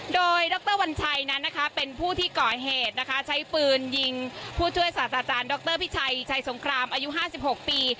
โดยดรวัญชัยนั้นนะคะเป็นผู้ที่ก่อเหตุนะคะใช้ปืนยิงผู้ช่วยศาสตราจารย์ดรพิชัยชัยสงครามอายุ๕๖ปี